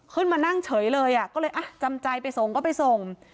ขึ้นมานั่งเฉยเลยอ่ะก็เลยจำใจไปส่งก็ไปส่ง